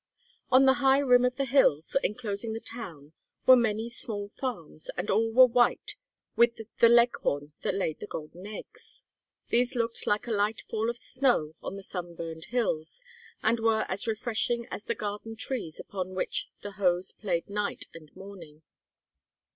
On the high rim of the hills enclosing the town were many small farms, and all were white with the Leghorn that laid the golden eggs. These looked like a light fall of snow on the sunburned hills, and were as refreshing as the garden trees upon which the hose played night and morning.